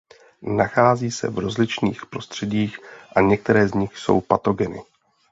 Nachází se v rozličných prostředích a některé z nich jsou patogeny.